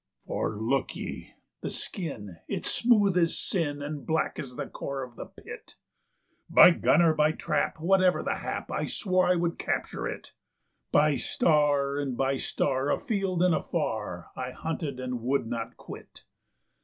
"For look ye, the skin it's as smooth as sin, and black as the core of the Pit. By gun or by trap, whatever the hap, I swore I would capture it; By star and by star afield and afar, I hunted and would not quit.